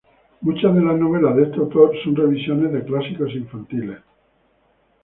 Muchas de las novelas de este autor son revisiones de clásicos infantiles.